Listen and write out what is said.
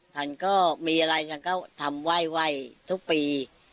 ฉันก็มีอะไรฉันก็ทำไหว้ทุกปี